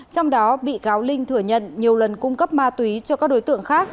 trong đó bị cáo linh thừa nhận nhiều lần cung cấp ma túy cho các đối tượng khác